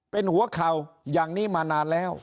เป็นหัวข่าวอย่างนี้มานานแล้ว